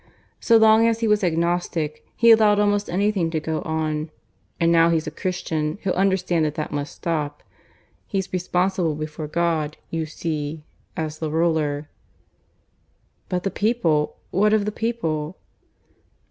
So long as he was agnostic he allowed almost anything to go on. And now he's a Christian he'll understand that that must stop. He's responsible before God, you see, as the ruler " "But the people. What of the people?"